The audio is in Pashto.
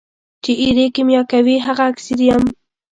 چي ایرې کېمیا کوي هغه اکسیر یم.